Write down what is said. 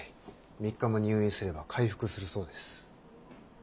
３日も入院すれば回復するそうです。